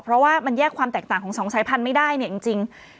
เพราะว่ามันแยกความแตกต่างของสองสายพันธุ์ไม่ได้เนี่ยจริง